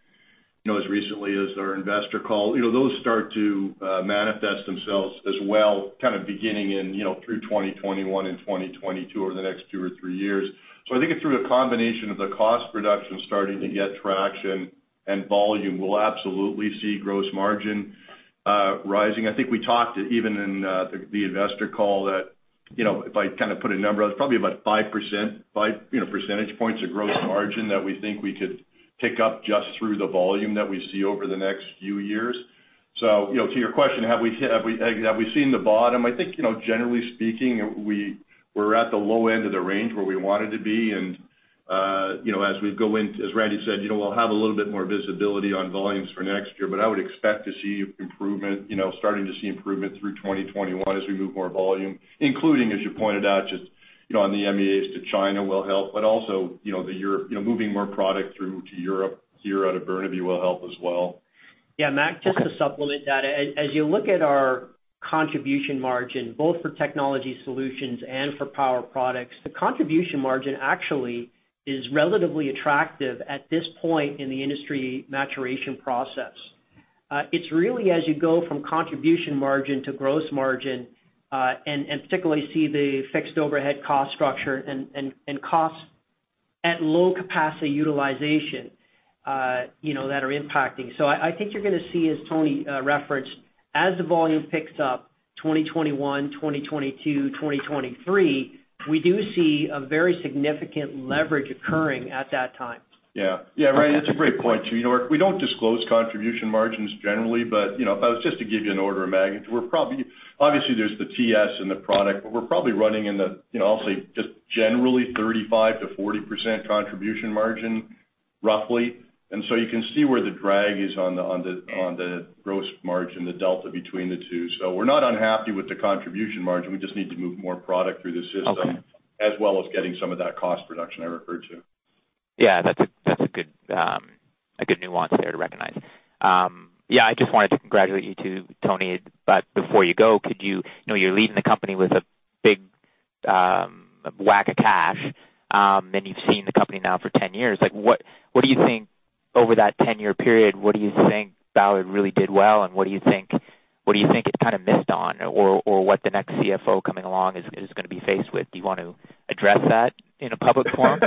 you know, as recently as our investor call. You know, those start to manifest themselves as well, kind of beginning in, you know, through 2021 and 2022, over the next two or three years. I think it's through a combination of the cost reduction starting to get traction and volume, we'll absolutely see gross margin rising. I think we talked even in the investor call that, you know, if I kind of put a number on it, probably about 5%, 5, you know, percentage points of gross margin that we think we could pick up just through the volume that we see over the next few years. To your question, have we seen the bottom? I think, you know, generally speaking, we're at the low end of the range where we wanted to be. you know, as Randy said, you know, we'll have a little bit more visibility on volumes for next year, but I would expect to see improvement, you know, starting to see improvement through 2021 as we move more volume, including, as you pointed out, just, you know, on the MEA to China will help, but also, you know, moving more product through to Europe, here out of Burnaby will help as well. Yeah, Mac, just to supplement that, as you look at our contribution margin, both for technology solutions and for power products, the contribution margin actually is relatively attractive at this point in the industry maturation process. It's really as you go from contribution margin to gross margin, and particularly see the fixed overhead cost structure and costs at low capacity utilization, you know, that are impacting. I think you're gonna see, as Tony referenced, as the volume picks up, 2021, 2022, 2023, we do see a very significant leverage occurring at that time. Yeah. Yeah, Randy, that's a great point, too. You know, we don't disclose contribution margins generally, but, you know, but just to give you an order of magnitude, obviously there's the TS and the product, but we're probably running in the, you know, I'll say just generally 35 to 40% contribution margin, roughly. You can see where the drag is on the gross margin, the delta between the two. We're not unhappy with the contribution margin. We just need to move more product through the system. Okay as well as getting some of that cost reduction I referred to. Yeah, that's a good nuance there to recognize. Yeah, I just wanted to congratulate you, too, Tony. Before you go, could you... You know, you're leaving the company with a big whack of cash, and you've seen the company now for 10 years. Like, what do you think over that 10-year period, what do you think Ballard really did well, and what do you think it kind of missed on? Or what the next CFO coming along is gonna be faced with? Do you want to address that in a public forum?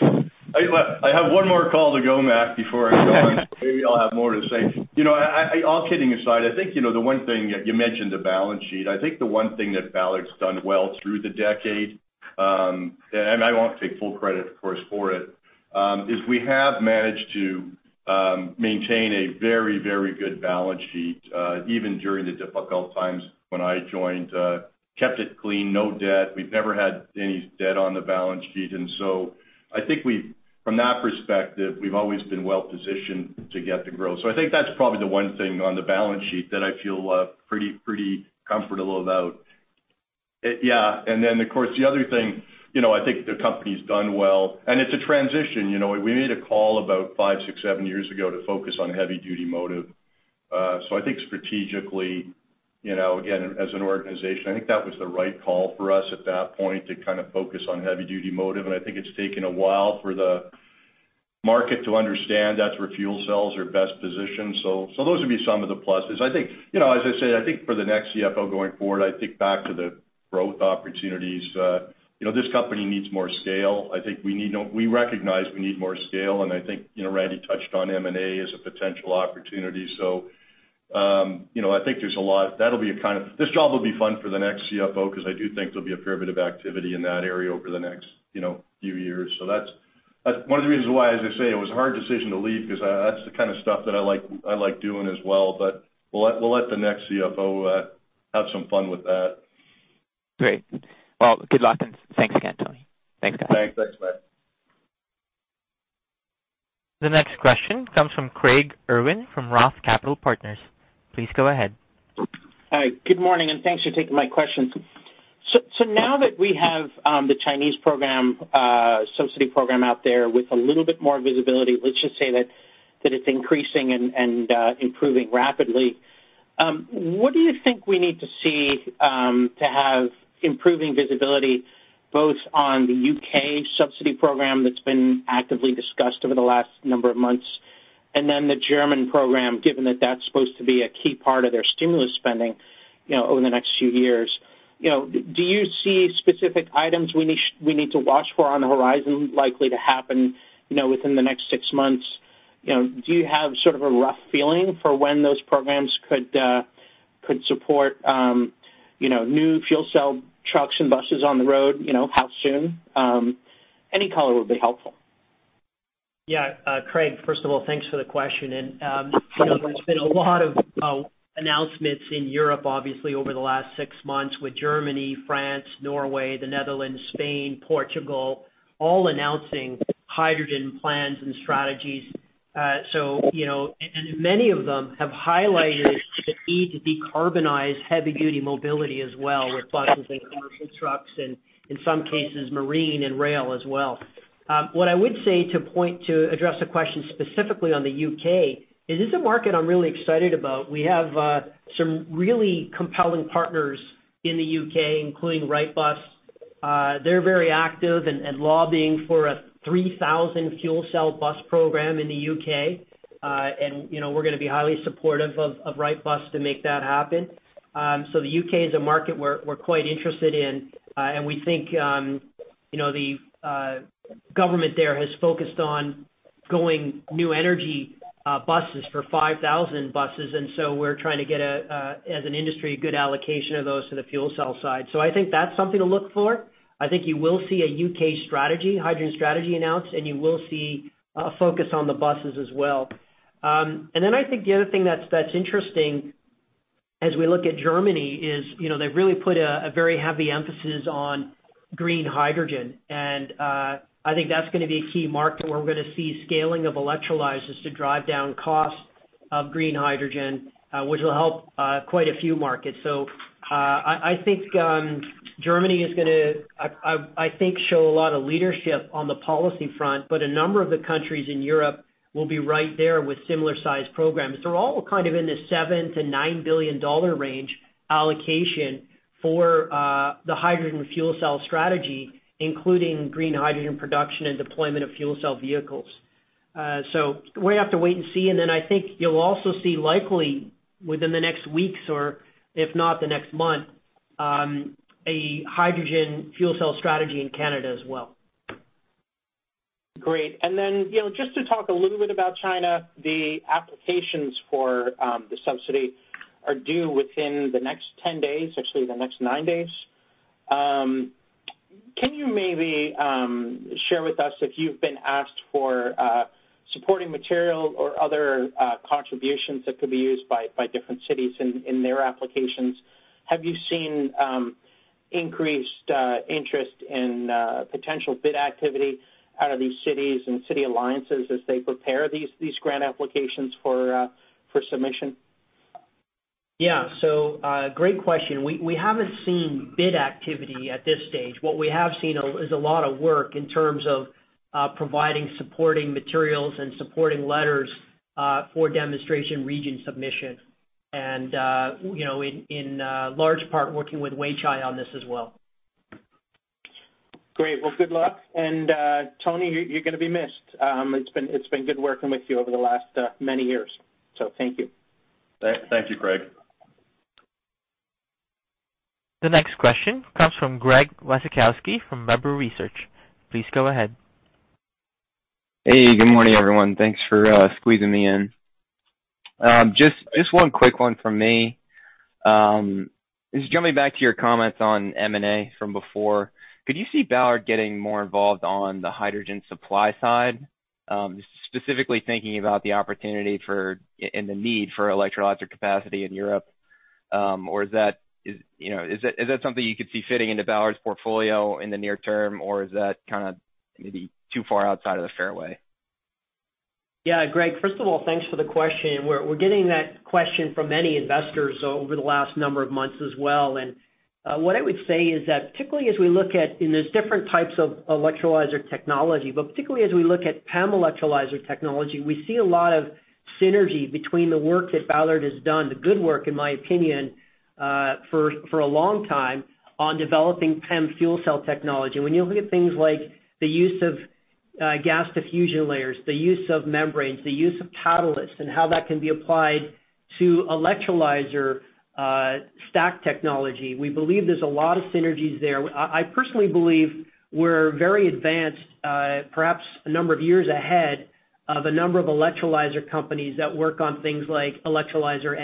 I have one more call to go, Mac, before I go. Maybe I'll have more to say. You know, I, all kidding aside, I think, you know, the one thing, you mentioned the balance sheet, I think the one thing that Ballard's done well through the decade, and I won't take full credit, of course, for it, is we have managed to maintain a very, very good balance sheet, even during the difficult times when I joined. Kept it clean, no debt. We've never had any debt on the balance sheet. I think we've, from that perspective, we've always been well positioned to get the growth. I think that's probably the one thing on the balance sheet that I feel pretty comfortable about. Yeah, of course, the other thing, you know, I think the company's done well, and it's a transition, you know, we made a call about five, six, seven years ago to focus on heavy-duty motive. I think strategically, you know, again, as an organization, I think that was the right call for us at that point, to kind of focus on heavy-duty motive. I think it's taken a while for the market to understand that's where fuel cells are best positioned. So those would be some of the pluses. I think, you know, as I said, I think for the next CFO going forward, I think back to the growth opportunities. You know, this company needs more scale. I think we recognize we need more scale, and I think, you know, Randy touched on M&A as a potential opportunity. you know, I think there's a lot... This job will be fun for the next CFO, because I do think there'll be a fair bit of activity in that area over the next, you know, few years. That's one of the reasons why, as I say, it was a hard decision to leave, because that's the kind of stuff that I like doing as well. We'll let the next CFO have some fun with that. Great. Well, good luck, and thanks again, Tony. Thanks, guys. Thanks. Thanks, bye. The next question comes from Craig Irwin from Roth Capital Partners. Please go ahead. Hi, good morning, and thanks for taking my question. Now that we have the Chinese program, subsidy program out there with a little bit more visibility, let's just say that it's increasing and improving rapidly. What do you think we need to see to have improving visibility, both on the U.K. subsidy program that's been actively discussed over the last number of months, and then the German program, given that that's supposed to be a key part of their stimulus spending, you know, over the next few years? You know, do you see specific items we need to watch for on the horizon, likely to happen, you know, within the next six months? You know, do you have sort of a rough feeling for when those programs could support, you know, new fuel cell trucks and buses on the road, you know, how soon? Any color would be helpful. Yeah. Craig, first of all, thanks for the question. You know, there's been a lot of announcements in Europe, obviously, over the last six months with Germany, France, Norway, the Netherlands, Spain, Portugal, all announcing hydrogen plans and strategies. You know, and many of them have highlighted the need to decarbonize heavy-duty mobility as well, with buses and commercial trucks and in some cases, marine and rail as well. What I would say to address the question specifically on the U.K., it is a market I'm really excited about. We have some really compelling partners in the U.K., including Wrightbus. They're very active and lobbying for a 3,000 fuel cell bus program in the U.K. You know, we're gonna be highly supportive of Wrightbus to make that happen. The U.K. is a market we're quite interested in, and we think, you know, the government there has focused on going new energy buses for 5,000 buses, and so we're trying to get as an industry a good allocation of those to the fuel cell side. I think that's something to look for. I think you will see a U.K. strategy, hydrogen strategy announced, and you will see a focus on the buses as well. I think the other thing that's interesting as we look at Germany is, you know, they've really put a very heavy emphasis on green hydrogen, and I think that's gonna be a key market where we're gonna see scaling of electrolyzers to drive down costs of green hydrogen, which will help quite a few markets. I think, Germany is going to, I think, show a lot of leadership on the policy front, but a number of the countries in Europe will be right there with similar-sized programs. They're all kind of in the $7 to 9 billion range allocation for the hydrogen fuel cell strategy, including green hydrogen production and deployment of fuel cell vehicles. We're going to have to wait and see, I think you'll also see, likely within the next weeks or if not the next month, a hydrogen fuel cell strategy in Canada as well. Great. You know, just to talk a little bit about China, the applications for the subsidy are due within the next 10 days, actually the next 9 days. Can you maybe share with us if you've been asked for supporting material or other contributions that could be used by different cities in their applications? Have you seen increased interest in potential bid activity out of these cities and city alliances as they prepare these grant applications for submission? Yeah. Great question. We haven't seen bid activity at this stage. What we have seen is a lot of work in terms of providing supporting materials and supporting letters for demonstration region submission, you know, in large part, working with Weichai on this as well. Great. Well, good luck, and Tony, you're gonna be missed. It's been good working with you over the last many years, so thank you. Thank you, Craig. The next question comes from Greg Wasikowski from Baird Research. Please go ahead. Hey, good morning, everyone. Thanks for squeezing me in. Just one quick one from me. Just jumping back to your comments on M&A from before, could you see Ballard getting more involved on the hydrogen supply side? Specifically thinking about the opportunity for and the need for electrolytic capacity in Europe, or is that, you know, is that something you could see fitting into Ballard's portfolio in the near term? Is that kind of maybe too far outside of the fairway? Greg, first of all, thanks for the question. We're getting that question from many investors over the last number of months as well. What I would say is that, particularly as we look at, and there's different types of electrolyzer technology, but particularly as we look at PEM electrolyzer technology, we see a lot of synergy between the work that Ballard has done, the good work, in my opinion, for a long time on developing PEM fuel cell technology. When you look at things like the use of gas diffusion layers, the use of membranes, the use of catalysts, and how that can be applied to electrolyzer stack technology, we believe there's a lot of synergies there. I personally believe we're very advanced, perhaps a number of years ahead of a number of electrolyzer companies that work on things like electrolyzer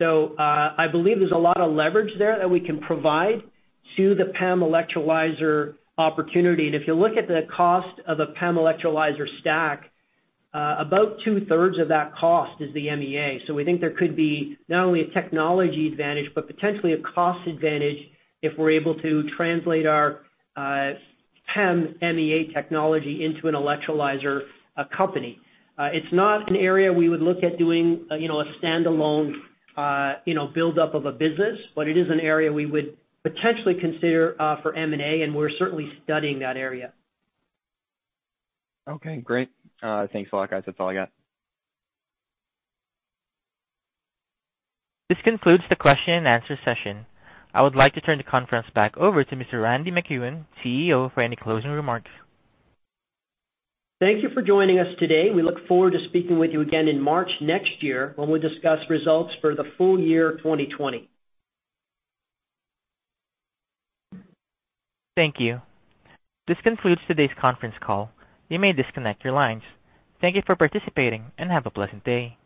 MEA. I believe there's a lot of leverage there that we can provide to the PEM electrolyzer opportunity. If you look at the cost of a PEM electrolyzer stack, about two-thirds of that cost is the MEA. We think there could be not only a technology advantage, but potentially a cost advantage if we're able to translate our PEM MEA technology into an electrolyzer company. It's not an area we would look at doing, you know, a standalone, you know, buildup of a business, but it is an area we would potentially consider for M&A, and we're certainly studying that area. Okay, great. Thanks a lot, guys. That's all I got. This concludes the question-and-answer session. I would like to turn the conference back over to Mr. Randy MacEwen, CEO, for any closing remarks. Thank you for joining us today. We look forward to speaking with you again in March next year, when we'll discuss results for the full year of 2020. Thank you. This concludes today's conference call. You may disconnect your lines. Thank you for participating and have a pleasant day.